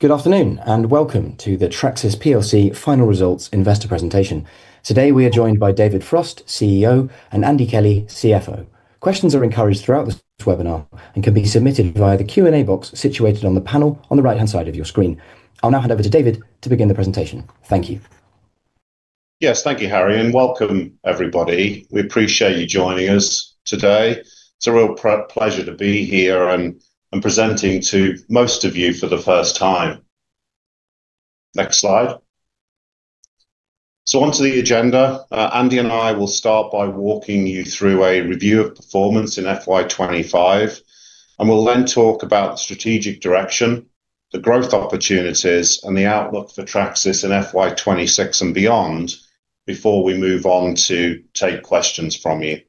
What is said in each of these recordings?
Good afternoon, and welcome to the Tracsis final results investor presentation. Today we are joined by David Frost, CEO, and Andy Kelly, CFO. Questions are encouraged throughout this webinar and can be submitted via the Q&A box situated on the panel on the right-hand side of your screen. I'll now hand over to David to begin the presentation. Thank you. Yes, thank you, Harry, and welcome, everybody. We appreciate you joining us today. It's a real pleasure to be here and presenting to most of you for the first time. Next slide. Onto the agenda, Andy and I will start by walking you through a review of performance in FY 2025, and we'll then talk about the strategic direction, the growth opportunities, and the outlook for Tracsis in FY 2026 and beyond before we move on to take questions from you.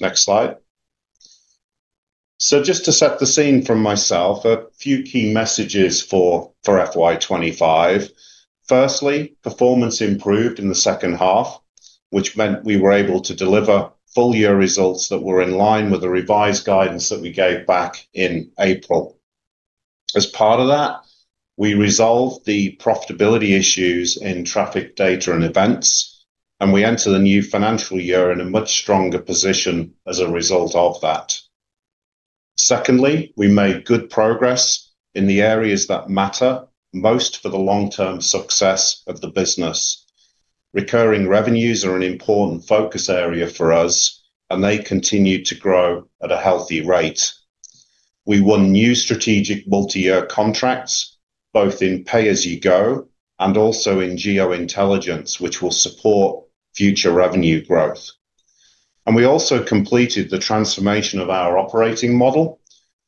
Next slide. Just to set the scene for myself, a few key messages for FY 2025. Firstly, performance improved in the second half, which meant we were able to deliver full-year results that were in line with the revised guidance that we gave back in April. As part of that, we resolved the profitability issues in traffic data and events, and we entered the new financial year in a much stronger position as a result of that. Secondly, we made good progress in the areas that matter most for the long-term success of the business. Recurring revenues are an important focus area for us, and they continue to grow at a healthy rate. We won new strategic multi-year contracts, both in pay-as-you-go and also in geo-intelligence, which will support future revenue growth. We also completed the transformation of our operating model,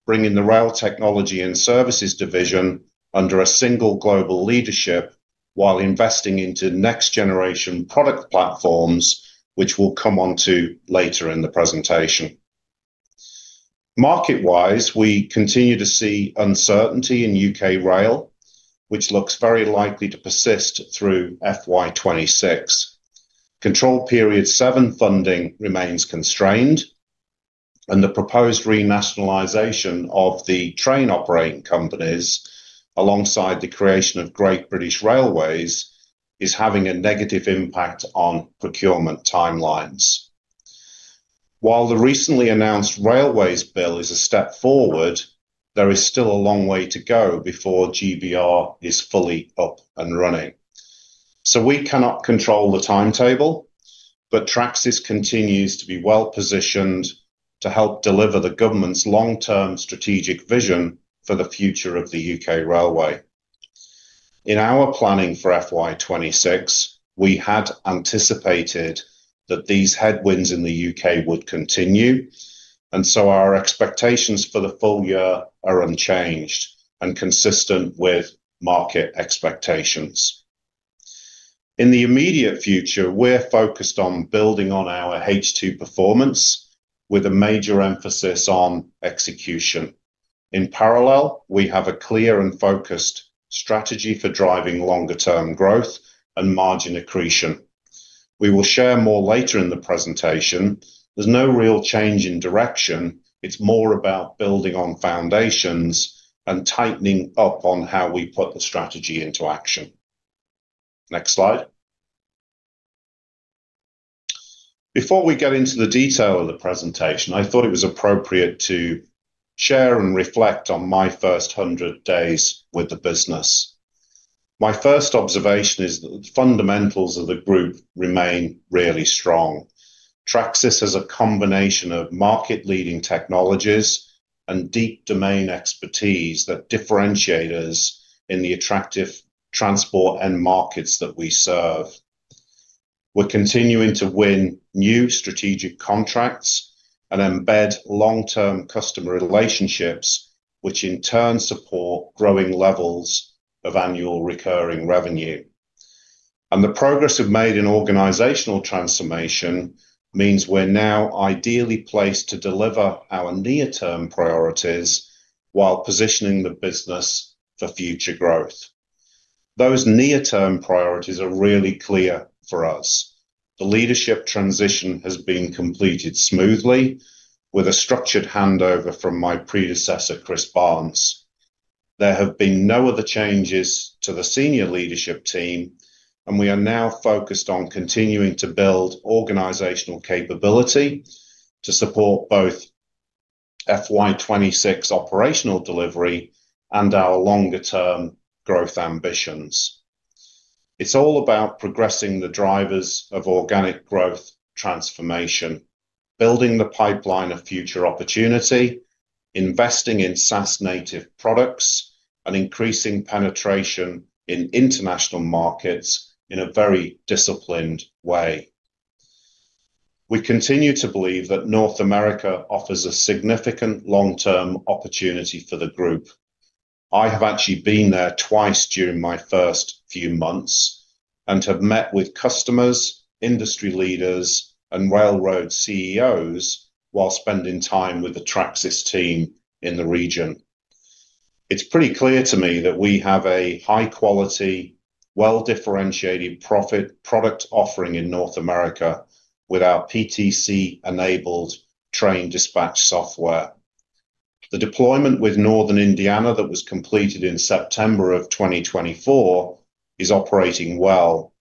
bringing the rail technology and services division under a single global leadership while investing into next-generation product platforms, which we'll come on to later in the presentation. Market-wise, we continue to see uncertainty in U.K. rail, which looks very likely to persist through FY 2026. Control Period 7 funding remains constrained, and the proposed renationalization of the train operating companies, alongside the creation of Great British Railways, is having a negative impact on procurement timelines. While the recently announced railways bill is a step forward, there is still a long way to go before GBR is fully up and running. We cannot control the timetable, but Tracsis continues to be well positioned to help deliver the government's long-term strategic vision for the future of the U.K. railway. In our planning for FY 2026, we had anticipated that these headwinds in the U.K. would continue, and our expectations for the full year are unchanged and consistent with market expectations. In the immediate future, we're focused on building on our H2 performance with a major emphasis on execution. In parallel, we have a clear and focused strategy for driving longer-term growth and margin accretion. We will share more later in the presentation. There is no real change in direction. It is more about building on foundations and tightening up on how we put the strategy into action. Next slide. Before we get into the detail of the presentation, I thought it was appropriate to share and reflect on my first 100 days with the business. My first observation is that the fundamentals of the group remain really strong. Tracsis has a combination of market-leading technologies and deep domain expertise that differentiate us in the attractive transport and markets that we serve. We are continuing to win new strategic contracts and embed long-term customer relationships, which in turn support growing levels of annual recurring revenue. The progress we have made in organizational transformation means we are now ideally placed to deliver our near-term priorities while positioning the business for future growth. Those near-term priorities are really clear for us. The leadership transition has been completed smoothly with a structured handover from my predecessor, Chris Barnes. There have been no other changes to the senior leadership team, and we are now focused on continuing to build organizational capability to support both FY2026 operational delivery and our longer-term growth ambitions. It's all about progressing the drivers of organic growth transformation, building the pipeline of future opportunity, investing in SaaS-native products, and increasing penetration in international markets in a very disciplined way. We continue to believe that North America offers a significant long-term opportunity for the group. I have actually been there twice during my first few months and have met with customers, industry leaders, and railroad CEOs while spending time with the Tracsis team in the region. It's pretty clear to me that we have a high-quality, well-differentiated product offering in North America with our PTC-enabled train dispatch software. The deployment with Northern Indiana that was completed in September of 2024 is operating well.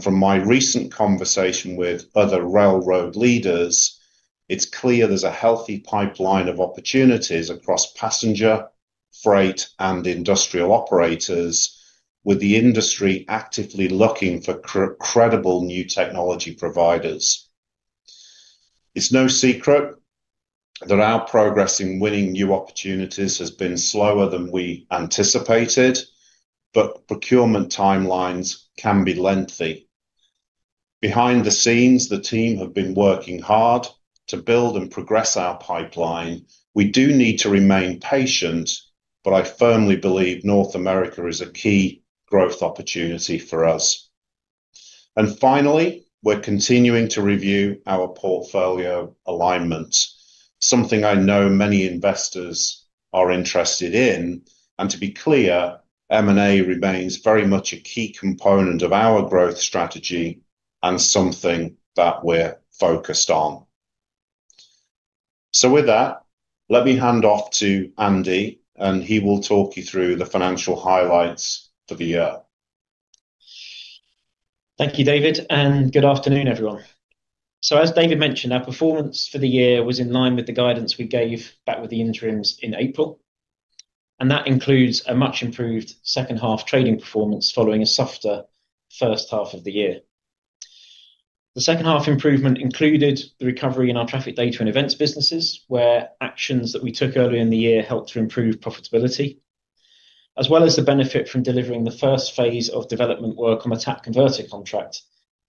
From my recent conversation with other railroad leaders, it's clear there's a healthy pipeline of opportunities across passenger, freight, and industrial operators, with the industry actively looking for credible new technology providers. It's no secret that our progress in winning new opportunities has been slower than we anticipated, but procurement timelines can be lengthy. Behind the scenes, the team have been working hard to build and progress our pipeline. We do need to remain patient, but I firmly believe North America is a key growth opportunity for us. Finally, we're continuing to review our portfolio alignment, something I know many investors are interested in. To be clear, M&A remains very much a key component of our growth strategy and something that we're focused on. With that, let me hand off to Andy, and he will talk you through the financial highlights for the year. Thank you, David, and good afternoon, everyone. As David mentioned, our performance for the year was in line with the guidance we gave back with the interims in April, and that includes a much-improved second half trading performance following a softer first half of the year. The second half improvement included the recovery in our traffic data and events businesses, where actions that we took earlier in the year helped to improve profitability, as well as the benefit from delivering the first phase of development work on the TAP Converter contract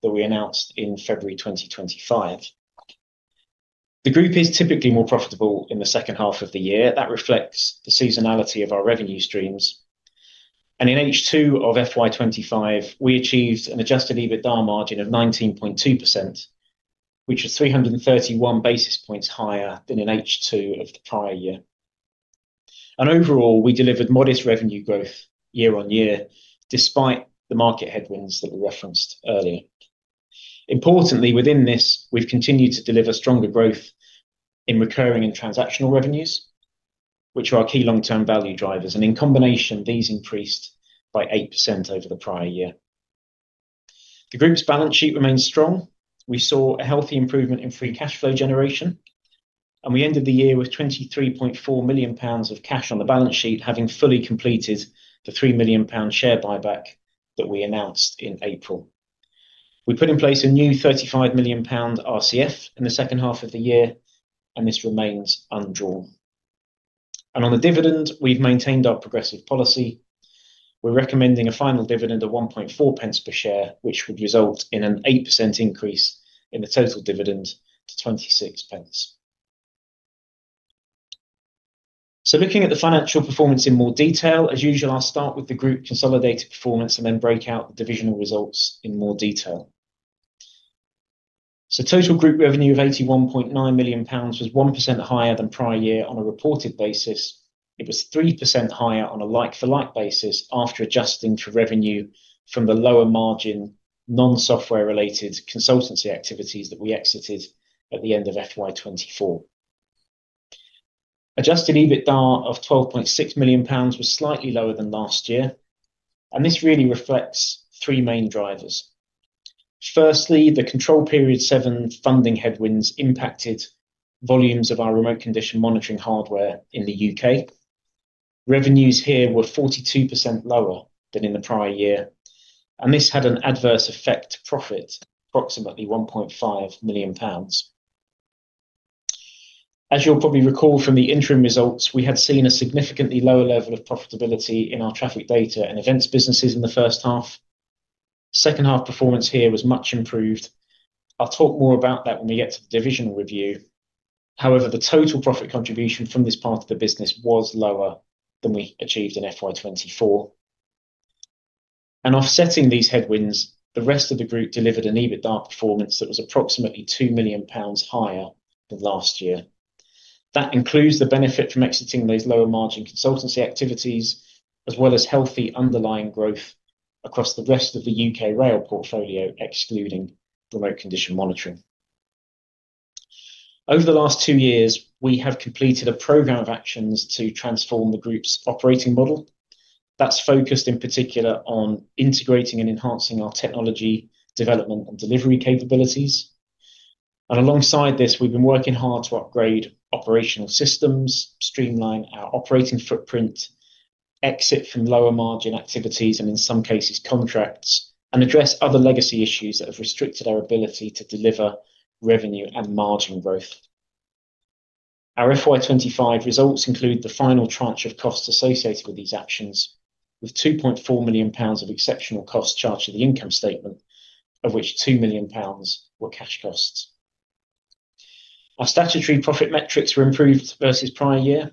that we announced in February 2025. The group is typically more profitable in the second half of the year. That reflects the seasonality of our revenue streams. In H2 of FY25, we achieved an adjusted EBITDA margin of 19.2%, which is 331 basis points higher than in H2 of the prior year. Overall, we delivered modest revenue growth year on year, despite the market headwinds that we referenced earlier. Importantly, within this, we've continued to deliver stronger growth in recurring and transactional revenues, which are our key long-term value drivers. In combination, these increased by 8% over the prior year. The group's balance sheet remains strong. We saw a healthy improvement in free cash flow generation, and we ended the year with 23.4 million pounds of cash on the balance sheet, having fully completed the 3 million pound share buyback that we announced in April. We put in place a new 35 million pound RCF in the second half of the year, and this remains un-drawn. On the dividend, we've maintained our progressive policy. We're recommending a final dividend of 0.014 per share, which would result in an 8% increase in the total dividend to 0.26. Looking at the financial performance in more detail, as usual, I'll start with the group consolidated performance and then break out the divisional results in more detail. Total group revenue of 81.9 million pounds was 1% higher than prior year on a reported basis. It was 3% higher on a like-for-like basis after adjusting for revenue from the lower margin non-software-related consultancy activities that we exited at the end of fiscal year 2024. Adjusted EBITDA of 12.6 million pounds was slightly lower than last year, and this really reflects three main drivers. Firstly, the Control Period 7 funding headwinds impacted volumes of our Remote Condition Monitoring Hardware in the U.K. Revenues here were 42% lower than in the prior year, and this had an adverse effect on profit, approximately 1.5 million pounds. As you'll probably recall from the interim results, we had seen a significantly lower level of profitability in our traffic data and events businesses in the first half. Second half performance here was much improved. I'll talk more about that when we get to the divisional review. However, the total profit contribution from this part of the business was lower than we achieved in 2024. Offsetting these headwinds, the rest of the group delivered an EBITDA performance that was approximately 2 million pounds higher than last year. That includes the benefit from exiting those lower margin consultancy activities, as well as healthy underlying growth across the rest of the U.K. rail portfolio, excluding remote condition monitoring. Over the last two years, we have completed a program of actions to transform the group's operating model. That's focused in particular on integrating and enhancing our technology development and delivery capabilities. Alongside this, we've been working hard to upgrade operational systems, streamline our operating footprint, exit from lower margin activities, and in some cases, contracts, and address other legacy issues that have restricted our ability to deliver revenue and margin growth. Our FY 2025 results include the final tranche of costs associated with these actions, with 2.4 million pounds of exceptional costs charged to the income statement, of which 2 million pounds were cash costs. Our statutory profit metrics were improved versus prior year.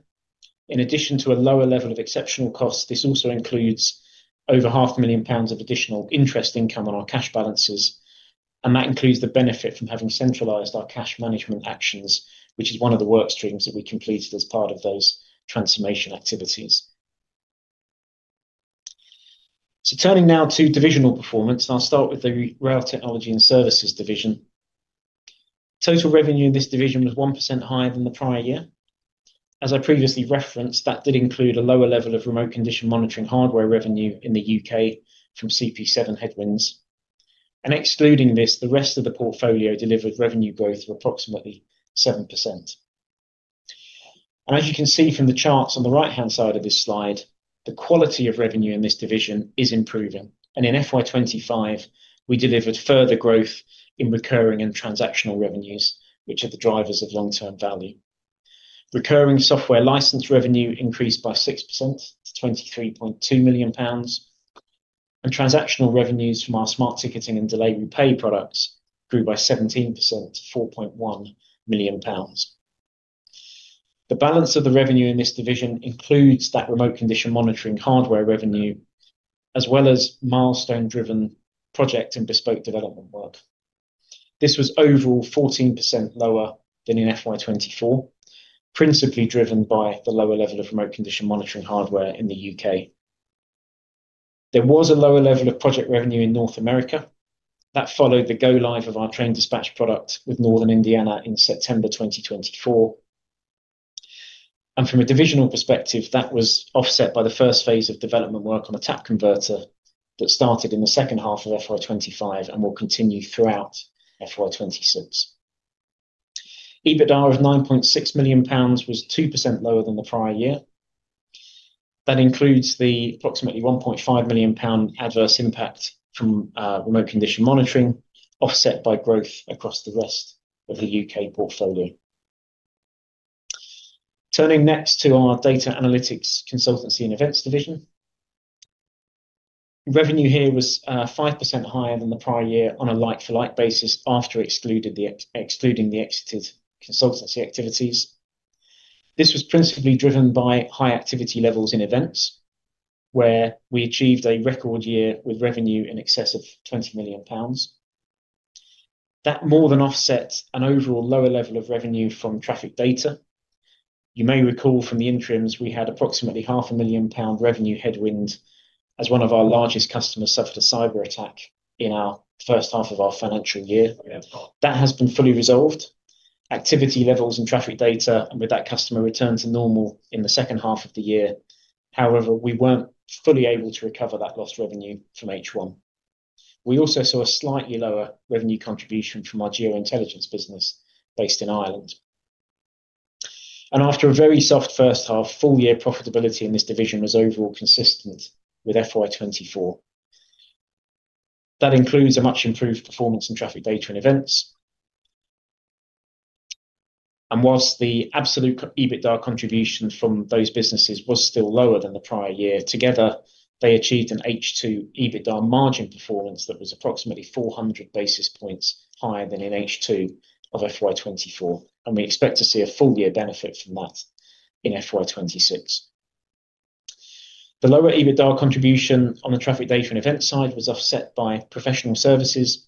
In addition to a lower level of exceptional costs, this also includes over 500,000 pounds of additional interest income on our cash balances, and that includes the benefit from having centralized our cash management actions, which is one of the work streams that we completed as part of those transformation activities. Turning now to divisional performance, I'll start with the rail technology and services division. Total revenue in this division was 1% higher than the prior year. As I previously referenced, that did include a lower level of remote condition monitoring hardware revenue in the U.K. from CP7 headwinds. Excluding this, the rest of the portfolio delivered revenue growth of approximately 7%. As you can see from the charts on the right-hand side of this slide, the quality of revenue in this division is improving. In FY 2025, we delivered further growth in recurring and transactional revenues, which are the drivers of long-term value. Recurring software license revenue increased by 6% to 23.2 million pounds, and transactional revenues from our smart ticketing and Delay Repay products grew by 17% to 4.1 million pounds. The balance of the revenue in this division includes that remote condition monitoring hardware revenue, as well as milestone-driven project and bespoke development work. This was overall 14% lower than in FY 2024, principally driven by the lower level of remote condition monitoring hardware in the U.K. There was a lower level of project revenue in North America. That followed the go-live of our train dispatch product with Northern Indiana in September 2024. From a divisional perspective, that was offset by the first phase of development work on the TAP Converter that started in the second half of FY 2025 and will continue throughout FY 2026. EBITDA of 9.6 million pounds was 2% lower than the prior year. That includes the approximately 1.5 million pound adverse impact from remote condition monitoring, offset by growth across the rest of the U.K. portfolio. Turning next to our data analytics consultancy and events division, revenue here was 5% higher than the prior year on a like-for-like basis after excluding the exited consultancy activities. This was principally driven by high activity levels in events, where we achieved a record year with revenue in excess of 20 million pounds. That more than offsets an overall lower level of revenue from traffic data. You may recall from the interims we had approximately 500,000 pound revenue headwind as one of our largest customers suffered a cyber attack in our first half of our financial year. That has been fully resolved. Activity levels in traffic data with that customer returned to normal in the second half of the year. However, we were not fully able to recover that lost revenue from H1. We also saw a slightly lower revenue contribution from our Geo Intelligence business based in Ireland. After a very soft first half, full year profitability in this division was overall consistent with FY 2024. That includes a much improved performance in traffic data and events. Whilst the absolute EBITDA contribution from those businesses was still lower than the prior year, together, they achieved an H2 EBITDA margin performance that was approximately 400 basis points higher than in H2 of FY 2024. We expect to see a full year benefit from that in FY 2026. The lower EBITDA contribution on the traffic data and event side was offset by professional services.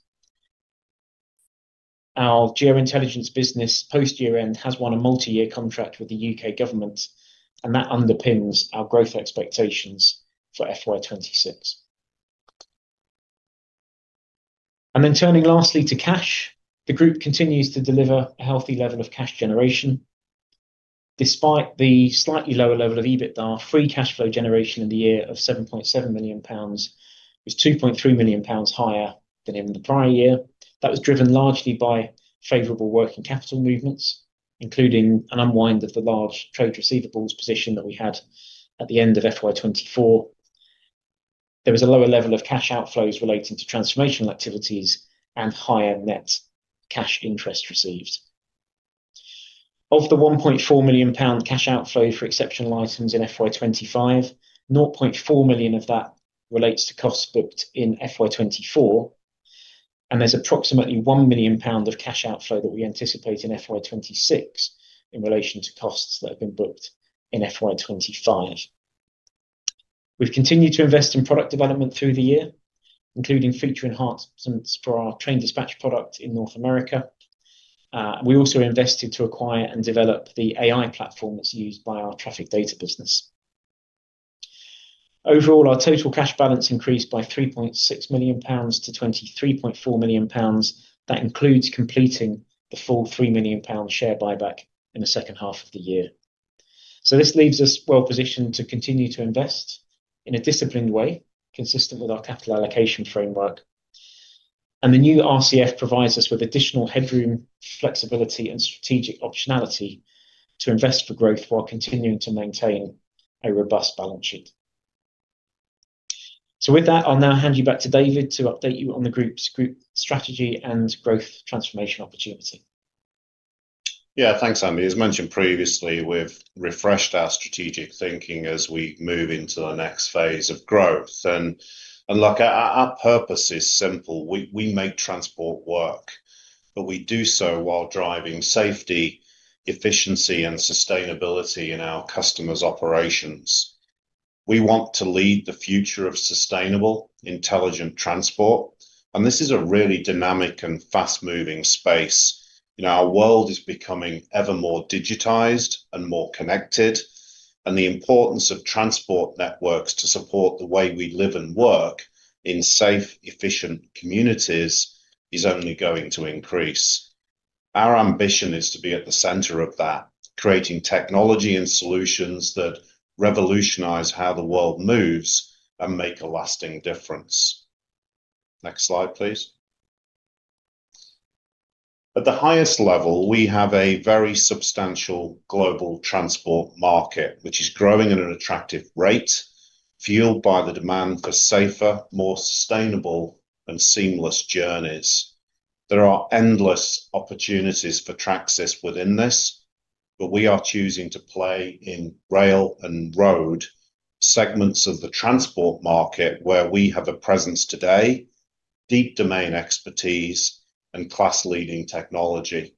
Our Geo Intelligence business post-year-end has won a multi-year contract with the U.K. government, and that underpins our growth expectations for FY 2026. Turning lastly to cash, the group continues to deliver a healthy level of cash generation. Despite the slightly lower level of EBITDA, free cash flow generation in the year of 7.7 million pounds was 2.3 million pounds higher than in the prior year. That was driven largely by favorable working capital movements, including an unwind of the large trade receivables position that we had at the end of FY 2024. There was a lower level of cash outflows relating to transformational activities and higher net cash interest received. Of the 1.4 million pound cash outflow for exceptional items in FY 2025, 0.4 million of that relates to costs booked in FY 2024, and there is approximately 1 million pound of cash outflow that we anticipate in FY 2026 in relation to costs that have been booked in FY 2025. We have continued to invest in product development through the year, including future enhancements for our train dispatch product in North America. We also invested to acquire and develop the AI platform that is used by our traffic data business. Overall, our total cash balance increased by 3.6 million pounds to 23.4 million pounds. That includes completing the full 3 million pound share buyback in the second half of the year. This leaves us well positioned to continue to invest in a disciplined way, consistent with our capital allocation framework. The new RCF provides us with additional headroom, flexibility, and strategic optionality to invest for growth while continuing to maintain a robust balance sheet. With that, I'll now hand you back to David to update you on the group's strategy and growth transformation opportunity. Yeah, thanks, Andy. As mentioned previously, we've refreshed our strategic thinking as we move into the next phase of growth. Look, our purpose is simple. We make transport work, but we do so while driving safety, efficiency, and sustainability in our customers' operations. We want to lead the future of sustainable, intelligent transport, and this is a really dynamic and fast-moving space. Our world is becoming ever more digitized and more connected, and the importance of transport networks to support the way we live and work in safe, efficient communities is only going to increase. Our ambition is to be at the center of that, creating technology and solutions that revolutionize how the world moves and make a lasting difference. Next slide, please. At the highest level, we have a very substantial global transport market, which is growing at an attractive rate, fueled by the demand for safer, more sustainable, and seamless journeys. There are endless opportunities for Tracsis within this, but we are choosing to play in rail and road segments of the transport market where we have a presence today, deep domain expertise, and class-leading technology.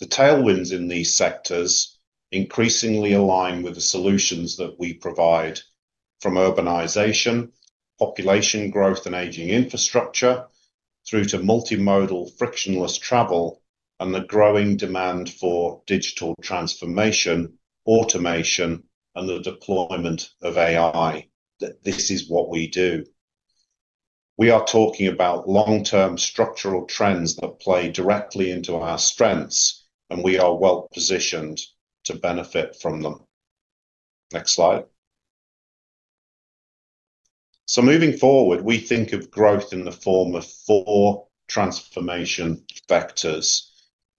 The tailwinds in these sectors increasingly align with the solutions that we provide, from urbanization, population growth, and aging infrastructure, through to multimodal frictionless travel and the growing demand for digital transformation, automation, and the deployment of AI. This is what we do. We are talking about long-term structural trends that play directly into our strengths, and we are well positioned to benefit from them. Next slide. Moving forward, we think of growth in the form of four transformation factors.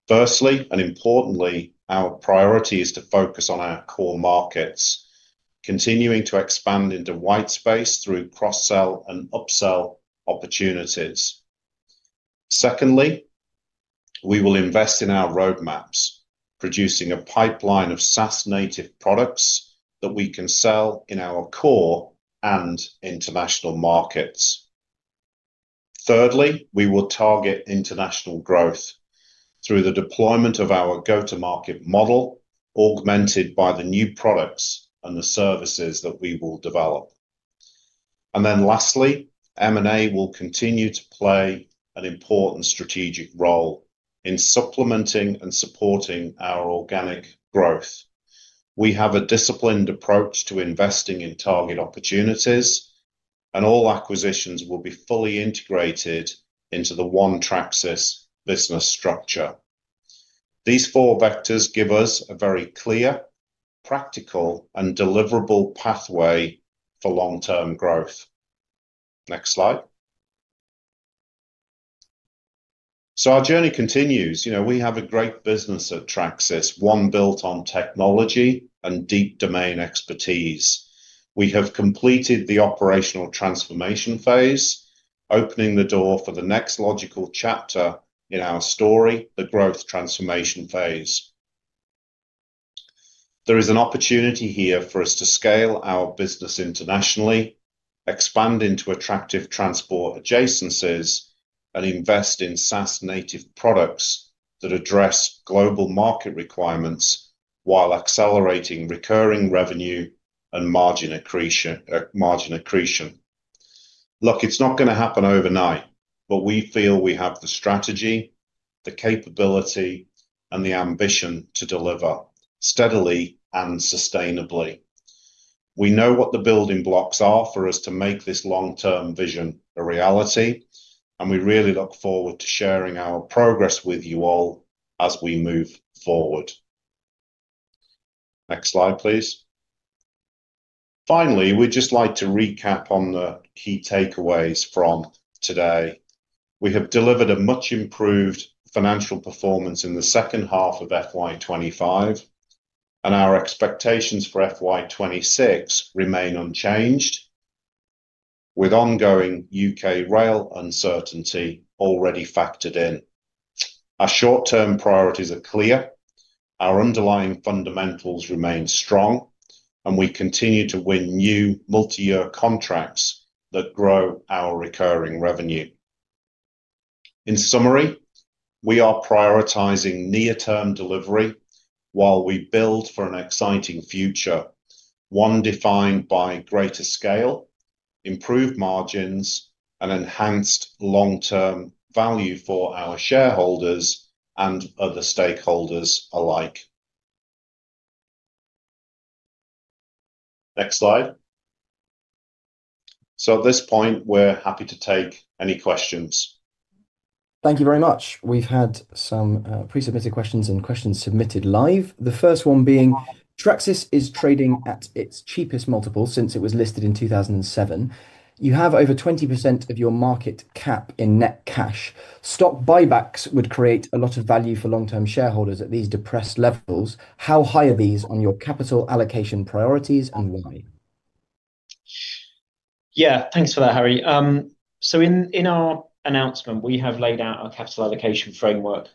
Firstly, and importantly, our priority is to focus on our core markets, continuing to expand into white space through cross-sell and upsell opportunities. Secondly, we will invest in our roadmaps, producing a pipeline of SaaS-native products that we can sell in our core and international markets. Thirdly, we will target international growth through the deployment of our go-to-market model, augmented by the new products and the services that we will develop. Lastly, M&A will continue to play an important strategic role in supplementing and supporting our organic growth. We have a disciplined approach to investing in target opportunities, and all acquisitions will be fully integrated into the one Tracsis business structure. These four vectors give us a very clear, practical, and deliverable pathway for long-term growth. Next slide. Our journey continues. We have a great business at Tracsis, one built on technology and deep domain expertise. We have completed the operational transformation phase, opening the door for the next logical chapter in our story, the growth transformation phase. There is an opportunity here for us to scale our business internationally, expand into attractive transport adjacencies, and invest in SaaS-native products that address global market requirements while accelerating recurring revenue and margin accretion. Look, it's not going to happen overnight, but we feel we have the strategy, the capability, and the ambition to deliver steadily and sustainably. We know what the building blocks are for us to make this long-term vision a reality, and we really look forward to sharing our progress with you all as we move forward. Next slide, please. Finally, we'd just like to recap on the key takeaways from today. We have delivered a much-improved financial performance in the second half of FY 2025, and our expectations for FY 2026 remain unchanged, with ongoing U.K. rail uncertainty already factored in. Our short-term priorities are clear. Our underlying fundamentals remain strong, and we continue to win new multi-year contracts that grow our recurring revenue. In summary, we are prioritizing near-term delivery while we build for an exciting future, one defined by greater scale, improved margins, and enhanced long-term value for our shareholders and other stakeholders alike. Next slide. At this point, we're happy to take any questions. Thank you very much. We've had some pre-submitted questions and questions submitted live. The first one being, Tracsis is trading at its cheapest multiple since it was listed in 2007. You have over 20% of your market cap in net cash. Stock buybacks would create a lot of value for long-term shareholders at these depressed levels. How high are these on your capital allocation priorities, and why? Yeah, thanks for that, Harry. In our announcement, we have laid out our capital allocation framework.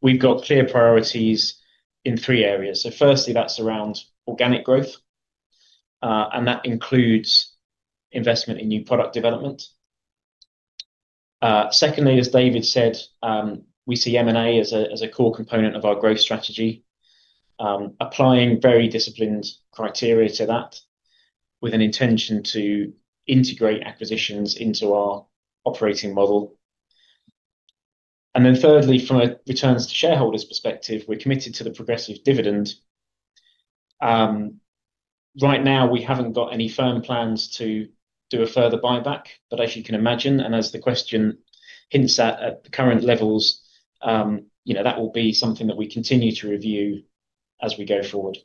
We've got clear priorities in three areas. Firstly, that's around organic growth, and that includes investment in new product development. Secondly, as David said, we see M&A as a core component of our growth strategy, applying very disciplined criteria to that with an intention to integrate acquisitions into our operating model. Thirdly, from a returns-to-shareholders perspective, we're committed to the progressive dividend. Right now, we haven't got any firm plans to do a further buyback, but as you can imagine, and as the question hints at at the current levels, that will be something that we continue to review as we go forward.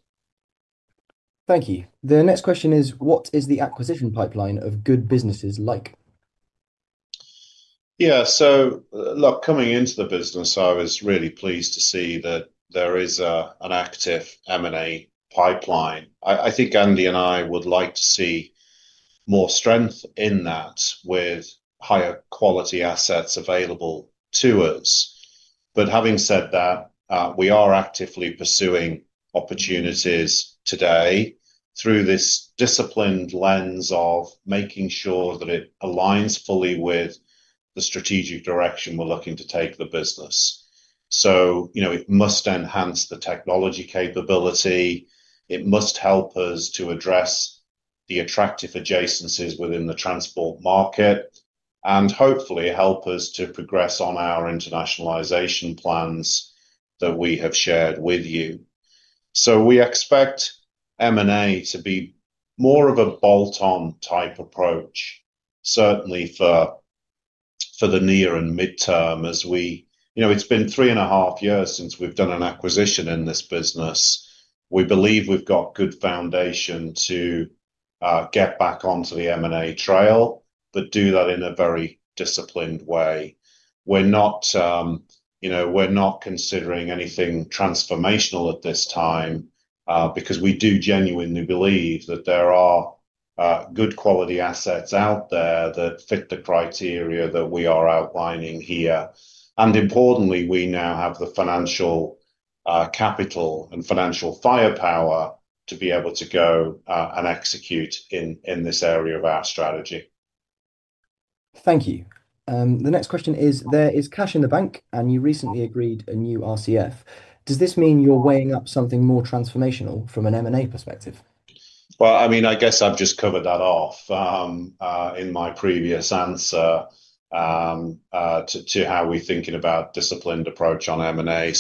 Thank you. The next question is, what is the acquisition pipeline of good businesses like? Yeah, so look, coming into the business, I was really pleased to see that there is an active M&A pipeline. I think Andy and I would like to see more strength in that with higher quality assets available to us. Having said that, we are actively pursuing opportunities today through this disciplined lens of making sure that it aligns fully with the strategic direction we are looking to take the business. It must enhance the technology capability. It must help us to address the attractive adjacencies within the transport market and hopefully help us to progress on our internationalization plans that we have shared with you. We expect M&A to be more of a bolt-on type approach, certainly for the near and midterm as we—it has been three and a half years since we have done an acquisition in this business. We believe we've got a good foundation to get back onto the M&A trail, but do that in a very disciplined way. We are not considering anything transformational at this time because we do genuinely believe that there are good quality assets out there that fit the criteria that we are outlining here. Importantly, we now have the financial capital and financial firepower to be able to go and execute in this area of our strategy. Thank you. The next question is, there is cash in the bank, and you recently agreed a new RCF. Does this mean you're weighing up something more transformational from an M&A perspective? I mean, I guess I've just covered that off in my previous answer to how we're thinking about a disciplined approach on M&A.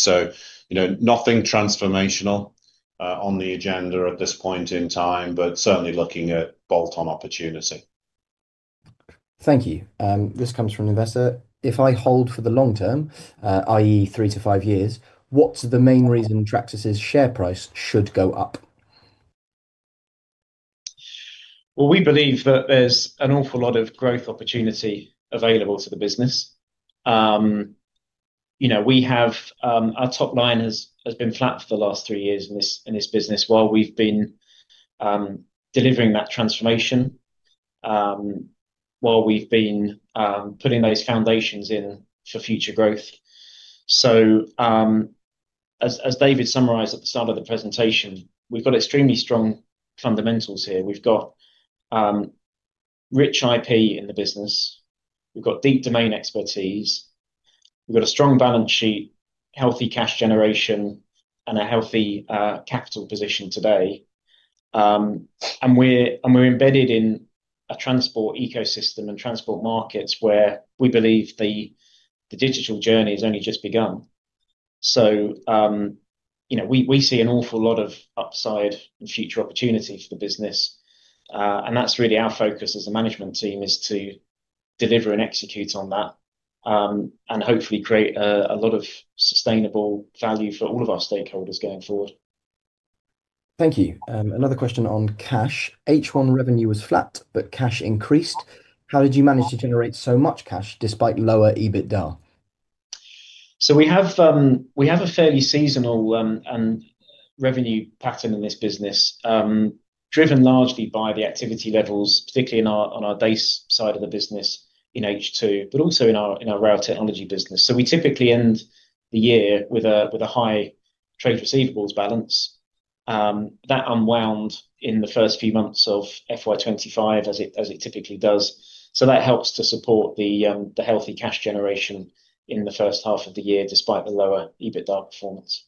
Nothing transformational on the agenda at this point in time, but certainly looking at bolt-on opportunity. Thank you. This comes from Investor. If I hold for the long term, i.e., three to five years, what's the main reason Tracsis's share price should go up? We believe that there's an awful lot of growth opportunity available to the business. Our top line has been flat for the last three years in this business while we've been delivering that transformation, while we've been putting those foundations in for future growth. As David summarized at the start of the presentation, we've got extremely strong fundamentals here. We've got rich IP in the business. We've got deep domain expertise. We've got a strong balance sheet, healthy cash generation, and a healthy capital position today. We're embedded in a transport ecosystem and transport markets where we believe the digital journey has only just begun. We see an awful lot of upside and future opportunity for the business. That is really our focus as a management team, is to deliver and execute on that and hopefully create a lot of sustainable value for all of our stakeholders going forward. Thank you. Another question on cash. H1 revenue was flat, but cash increased. How did you manage to generate so much cash despite lower EBITDA? We have a fairly seasonal revenue pattern in this business, driven largely by the activity levels, particularly on our base side of the business in H2, but also in our rail technology business. We typically end the year with a high trade receivables balance. That unwound in the first few months of FY 2025, as it typically does. That helps to support the healthy cash generation in the first half of the year despite the lower EBITDA performance.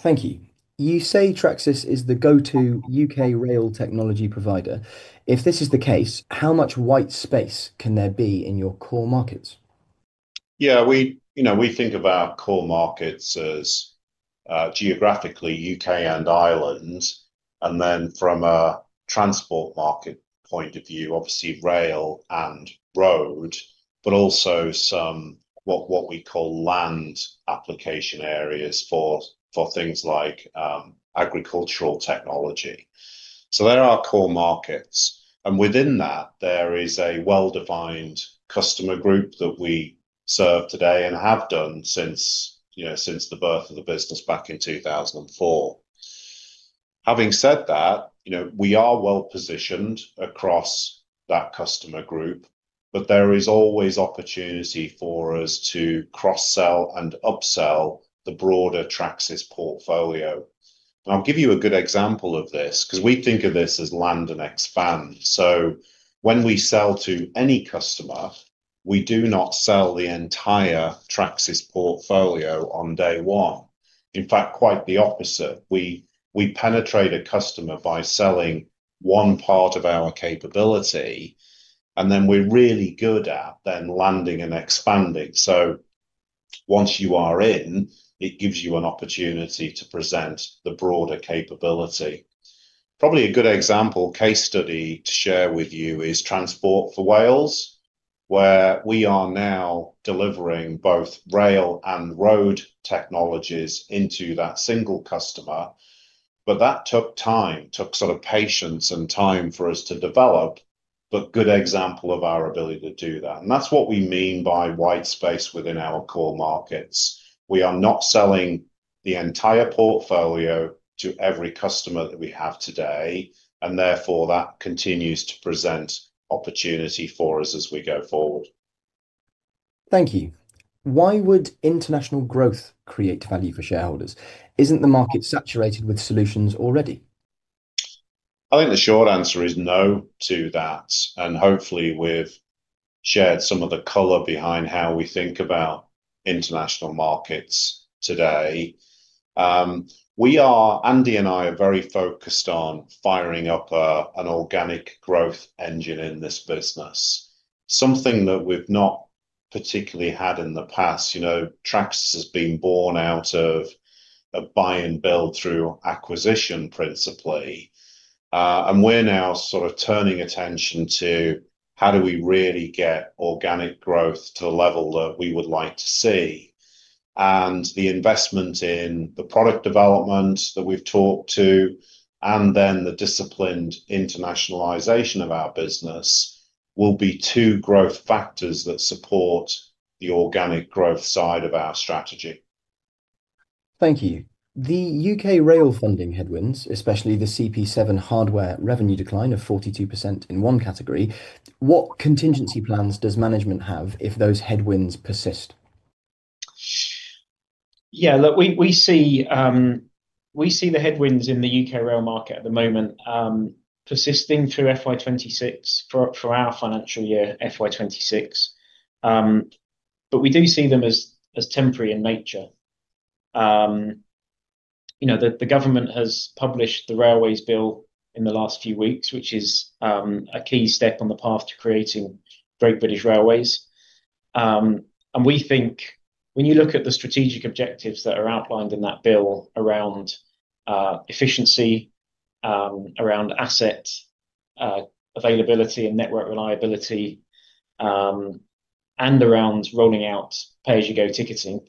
Thank you. You say Tracsis is the go-to U.K. rail technology provider. If this is the case, how much white space can there be in your core markets? Yeah, we think of our core markets as geographically U.K. and Ireland. From a transport market point of view, obviously rail and road, but also some what we call land application areas for things like agricultural technology. Those are core markets. Within that, there is a well-defined customer group that we serve today and have done since the birth of the business back in 2004. Having said that, we are well-positioned across that customer group, but there is always opportunity for us to cross-sell and upsell the broader Tracsis portfolio. I'll give you a good example of this because we think of this as land and expand. When we sell to any customer, we do not sell the entire Tracsis portfolio on day one. In fact, quite the opposite. We penetrate a customer by selling one part of our capability, and then we're really good at then landing and expanding. Once you are in, it gives you an opportunity to present the broader capability. Probably a good example case study to share with you is Transport for Wales, where we are now delivering both rail and road technologies into that single customer. That took time, took sort of patience and time for us to develop, but good example of our ability to do that. That is what we mean by white space within our core markets. We are not selling the entire portfolio to every customer that we have today, and therefore that continues to present opportunity for us as we go forward. Thank you. Why would international growth create value for shareholders? Isn't the market saturated with solutions already? I think the short answer is no to that. Hopefully, we've shared some of the color behind how we think about international markets today. Andy and I are very focused on firing up an organic growth engine in this business, something that we've not particularly had in the past. Tracsis has been born out of a buy-and-build through acquisition, principally. We are now sort of turning attention to how do we really get organic growth to the level that we would like to see. The investment in the product development that we've talked to, and then the disciplined internationalization of our business will be two growth factors that support the organic growth side of our strategy. Thank you. The U.K. rail funding headwinds, especially the CP7 hardware revenue decline of 42% in one category, what contingency plans does management have if those headwinds persist? Yeah, look, we see the headwinds in the U.K. rail market at the moment persisting through FY 2026 for our financial year, FY 2026. We do see them as temporary in nature. The government has published the railways bill in the last few weeks, which is a key step on the path to creating Great British Railways. We think when you look at the strategic objectives that are outlined in that bill around efficiency, around asset availability and network reliability, and around rolling out pay-as-you-go ticketing,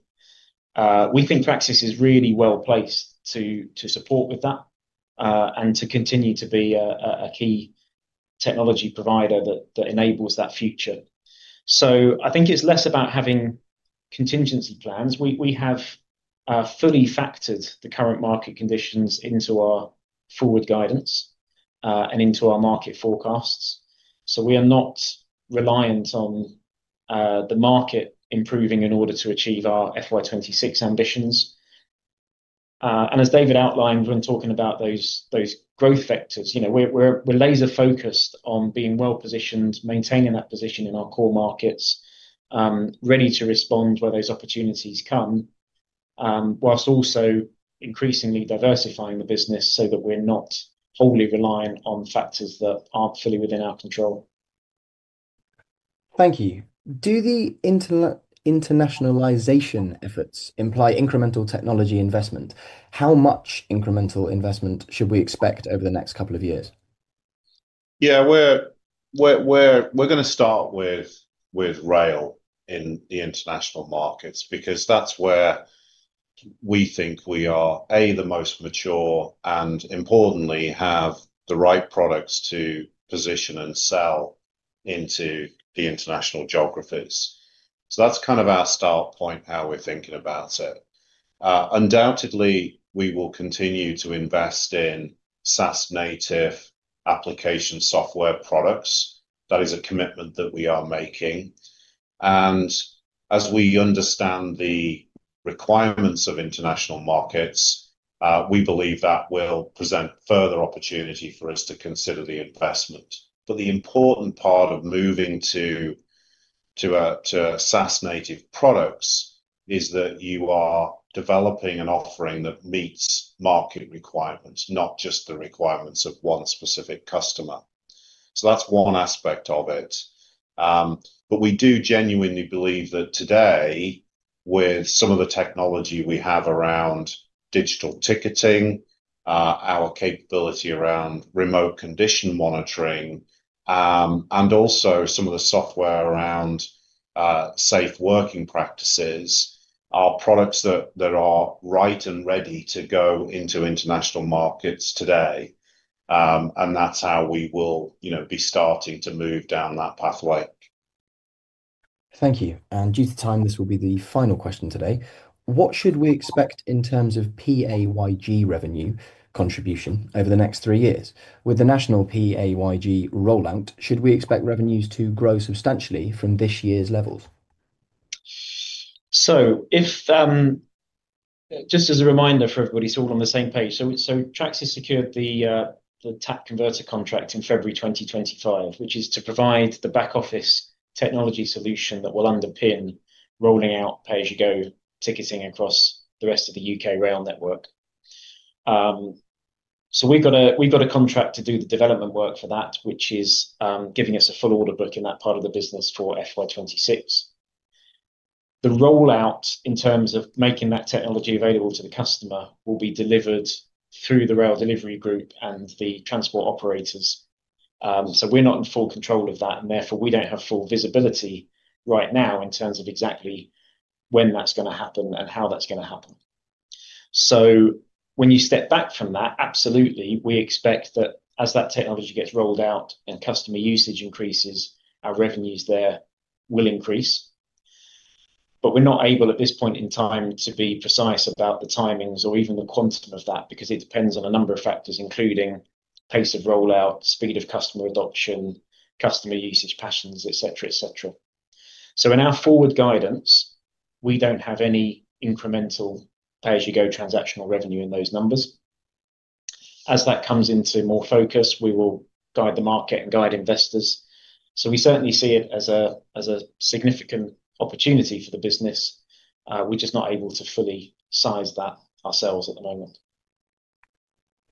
we think Tracsis is really well placed to support with that and to continue to be a key technology provider that enables that future. I think it's less about having contingency plans. We have fully factored the current market conditions into our forward guidance and into our market forecasts. We are not reliant on the market improving in order to achieve our FY 2026 ambitions. As David outlined, when talking about those growth factors, we're laser-focused on being well-positioned, maintaining that position in our core markets, ready to respond where those opportunities come, whilst also increasingly diversifying the business so that we're not wholly reliant on factors that aren't fully within our control. Thank you. Do the internationalization efforts imply incremental technology investment? How much incremental investment should we expect over the next couple of years? Yeah, we're going to start with rail in the international markets because that's where we think we are, A, the most mature, and importantly, have the right products to position and sell into the international geographies. That is kind of our start point, how we're thinking about it. Undoubtedly, we will continue to invest in SaaS-native application software products. That is a commitment that we are making. As we understand the requirements of international markets, we believe that will present further opportunity for us to consider the investment. The important part of moving to SaaS-native products is that you are developing an offering that meets market requirements, not just the requirements of one specific customer. That is one aspect of it. We do genuinely believe that today, with some of the technology we have around digital ticketing, our capability around remote condition monitoring, and also some of the software around safe working practices, are products that are right and ready to go into international markets today. That is how we will be starting to move down that pathway. Thank you. Due to time, this will be the final question today. What should we expect in terms of PAYG revenue contribution over the next three years? With the national PAYG rollout, should we expect revenues to grow substantially from this year's levels? Just as a reminder for everybody so we're all on the same page, Tracsis secured the TAP Converter contract in February 2025, which is to provide the back-office technology solution that will underpin rolling out pay-as-you-go ticketing across the rest of the U.K. rail network. We've got a contract to do the development work for that, which is giving us a full order book in that part of the business for FY 2026. The rollout in terms of making that technology available to the customer will be delivered through the Rail Delivery Group and the transport operators. We're not in full control of that, and therefore we don't have full visibility right now in terms of exactly when that's going to happen and how that's going to happen. When you step back from that, absolutely, we expect that as that technology gets rolled out and customer usage increases, our revenues there will increase. We are not able at this point in time to be precise about the timings or even the quantum of that because it depends on a number of factors, including pace of rollout, speed of customer adoption, customer usage patterns, etc., etc. In our forward guidance, we do not have any incremental pay-as-you-go transactional revenue in those numbers. As that comes into more focus, we will guide the market and guide investors. We certainly see it as a significant opportunity for the business. We are just not able to fully size that ourselves at the moment.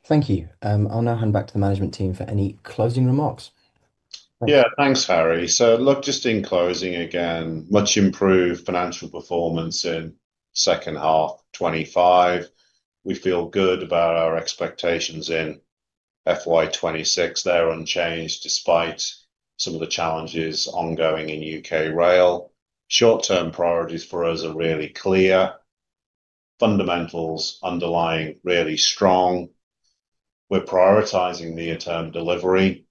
Thank you. I'll now hand back to the management team for any closing remarks. Yeah, thanks, Harry. Just in closing again, much improved financial performance in second half 2025. We feel good about our expectations in FY 2026. They are unchanged despite some of the challenges ongoing in U.K. rail. Short-term priorities for us are really clear. Fundamentals underlying really strong. We are prioritizing near-term delivery,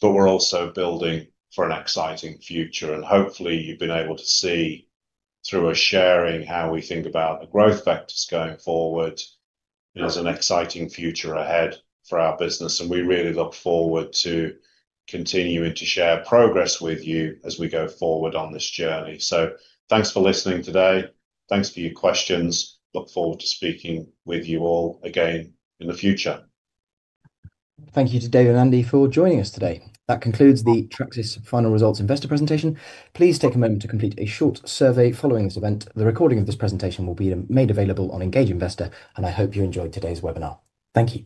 but we are also building for an exciting future. Hopefully, you have been able to see through our sharing how we think about the growth factors going forward as an exciting future ahead for our business. We really look forward to continuing to share progress with you as we go forward on this journey. Thanks for listening today. Thanks for your questions. Look forward to speaking with you all again in the future. Thank you to David and Andy for joining us today. That concludes the Tracsis final results investor presentation. Please take a moment to complete a short survey following this event. The recording of this presentation will be made available on Engage Investor, and I hope you enjoyed today's webinar. Thank you.